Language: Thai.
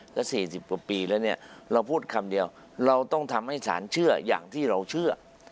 และ๔๐กว่าปีแล้วเนี่ยเราพูดคำเดียวเราต้องทำให้สารเชื่ออย่างที่เราเชื่อ